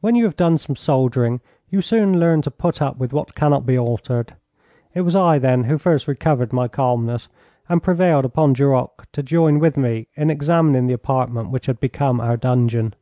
When you have done some soldiering, you soon learn to put up with what cannot be altered. It was I, then, who first recovered my calmness, and prevailed upon Duroc to join with me in examining the apartment which had become our dungeon.